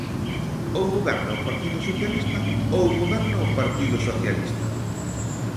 Ou goberna o Partido Socialista ou goberna o Partido Socialista.